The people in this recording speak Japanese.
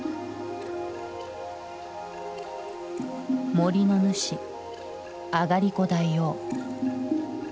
森の主あがりこ大王。